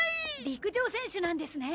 陸上選手なんですね。